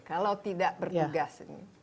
kalau tidak bertugas